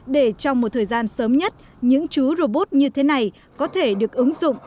để trong một thời gian sớm nhất những chú robot như thế này có thể được ứng dụng